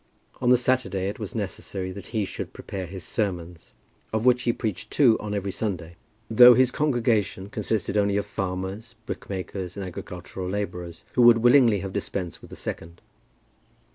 On the Saturday it was necessary that he should prepare his sermons, of which he preached two on every Sunday, though his congregation consisted only of farmers, brickmakers, and agricultural labourers, who would willingly have dispensed with the second.